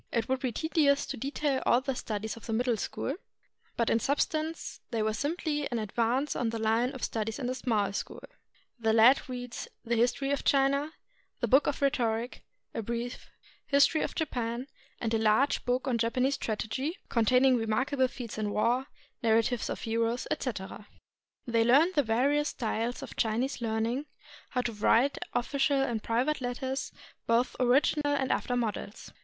It would be tedious to detail all the studies of the Middle School, but in substance they were simply an advance on the Hne of studies of the Small School. The lads read the "History of China," the "Book of Rhetoric," a brief "History of Japan," and a large book of Japanese strategy, contain ing remarkable feats in war, narratives of heroes, etc. They learned the various styles of Chinese learning, how to write official and private letters, both original and after models.